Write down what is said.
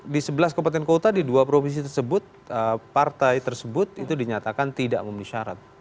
di sebelas kabupaten kota di dua provinsi tersebut partai tersebut itu dinyatakan tidak memenuhi syarat